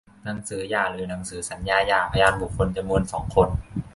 หนังสือหย่าหรือหนังสือสัญญาหย่า พยานบุคคลจำนวน สอง คน